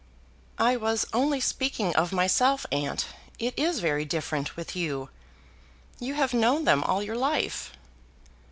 "I was only speaking of myself, aunt. It is very different with you. You have known them all your life."